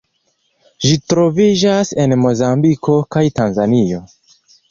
Ĝi troviĝas en Mozambiko kaj Tanzanio.